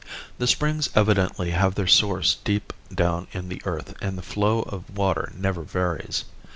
The springs evidently have their source deep down in the earth and the flow of water never varies.